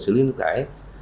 xử lý nước ải